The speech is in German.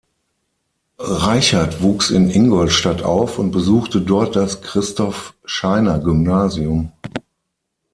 Reichart wuchs in Ingolstadt auf und besuchte dort das Christoph-Scheiner-Gymnasium.